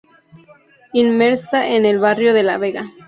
Inmersa en el barrio de la Vega.